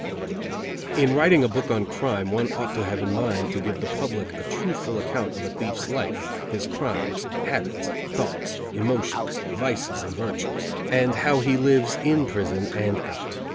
"In writing a book on crime, one ought to have in mind to give the public a truthful account of a thief's life, his crimes, habits, thoughts, emotions, vices and virtues, and how he lives in prison and out.